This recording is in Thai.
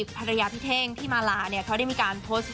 ภรรยาพิเทงพี่มาราเค้าได้มีการโพสต์